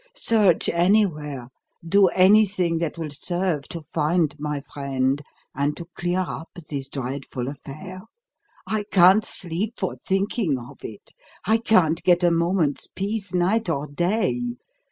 Search anywhere, do anything that will serve to find my friend and to clear up this dreadful affair. I can't sleep for thinking of it; I can't get a moment's peace night or day.